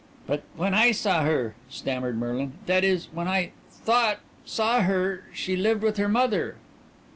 "But when I saw her," stammered Merlin, "that is, when I thought saw her, she lived with her mother."